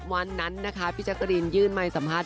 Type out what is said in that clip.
วันนั้นนะคะพี่จังณิร์นยืนมาไว้สัมภาษณ์